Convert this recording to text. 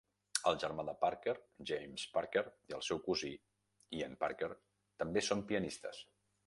El germà de Parker, James Parker, i el seu cosí Ian Parker també són pianistes.